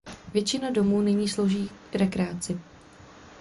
Většina domů nyní slouží rekreaci.